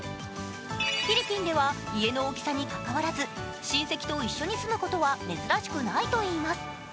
フィリピンでは家の大きさにかかわらず親戚と一緒に住むことは珍しくないといいます。